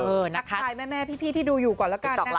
เออนะคะอยากถ่ายแม่พี่ที่ดูอยู่ก่อนละกัน